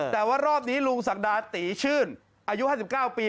แต่ว่ารอบนี้ลุงศักดาตีชื่นอายุ๕๙ปี